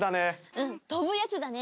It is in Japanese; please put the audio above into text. うん飛ぶやつだね。